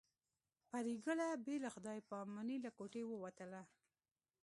پري ګله بې له خدای په امانۍ له کوټې ووتله